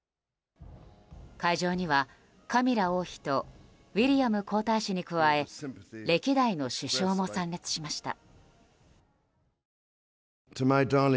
会場には、カミラ王妃とウィリアム皇太子に加え歴代の首相も参列しました。